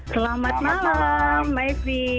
selamat malam maizy